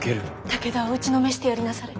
武田を打ちのめしてやりなされ。